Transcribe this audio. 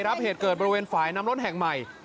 รับเหตุเกิดบริเวณฝ่ายน้ำล้นแห่งใหม่